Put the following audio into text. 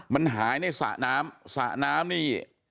มันหายในสระน้ำสระน้ำนี่